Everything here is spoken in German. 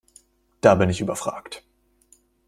Da bin ich überfragt.